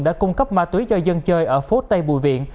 đã cung cấp ma túy cho dân chơi ở phố tây bùi viện